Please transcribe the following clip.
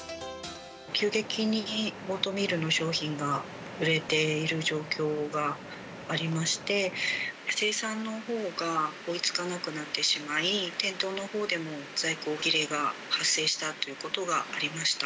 急激にオートミールの商品が売れている状況がありまして、生産のほうが追いつかなくなってしまい、店頭のほうでも在庫切れが発生したということがありました。